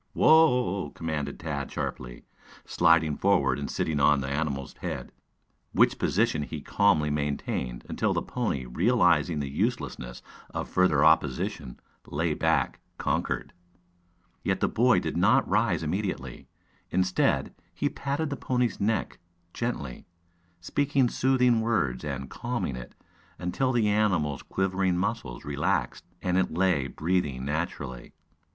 "Whoa!" commanded Tad sharply, sliding forward and sitting on the animal's head, which position he calmly maintained, until the pony, realizing the uselessness of further opposition, lay back conquered. Yet the boy did not rise immediately. Instead, he patted the pony's neck gently, speaking soothing words and calming it until the animal's quivering muscles relaxed and it lay breathing naturally.